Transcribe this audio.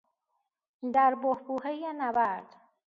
در بحبوحهی نبرد